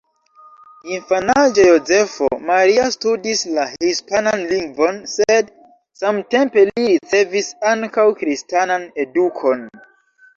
Infanaĝe Jozefo Maria studis la hispanan lingvon, sed samtempe li ricevis ankaŭ kristanan edukon.